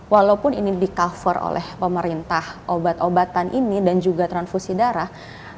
walaupun ini di cover oleh pemerintah obat obatan ini dan juga transfusi darah